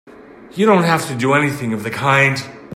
You don't have to do anything of the kind!